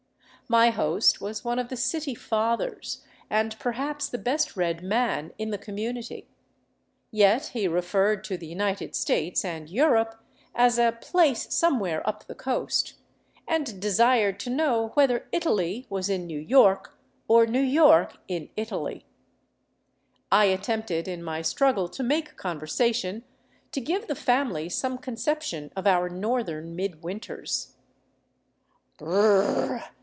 My host was one of the " city fathers," and perhaps the best read man in the com munity, yet he referred to the United States and Europe as " a place somewhere up the coast," and desired to know whether Italy was in New York, or New York in Italy. I attempted, in my struggle to make conversation, to give the family some conception of our north ern midwinters.